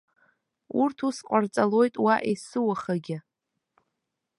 Урҭ ус ҟарҵалоит уа есыуахагьы.